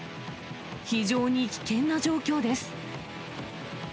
非常に危険な状況です。